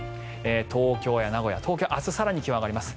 東京や名古屋、東京は明日更に気温が上がります